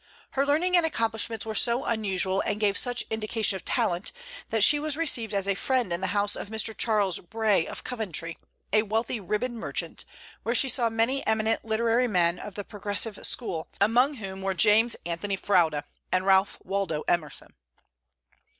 Her learning and accomplishments were so unusual, and gave such indication of talent, that she was received as a friend in the house of Mr. Charles Bray, of Coventry, a wealthy ribbon merchant, where she saw many eminent literary men of the progressive school, among whom were James Anthony Froude and Ralph Waldo Emerson.